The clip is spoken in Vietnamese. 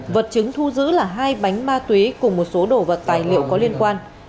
vật chứng thu giữ là hai bánh ma túy cùng một số đồ vật tài liệu có liên quan